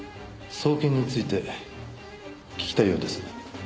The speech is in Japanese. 捜検について聞きたいようです。